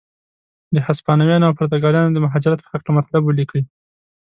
د هسپانویانو او پرتګالیانو د مهاجرت په هکله مطلب ولیکئ.